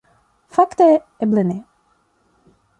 Fakte, eble ne.